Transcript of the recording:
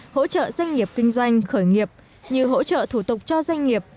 hỗ trợ doanh nghiệp kinh doanh khởi nghiệp như hỗ trợ thủ tục cho doanh nghiệp